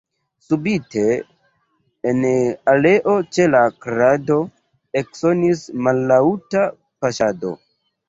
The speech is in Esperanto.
Subite en aleo ĉe la krado eksonis mallaŭta paŝado.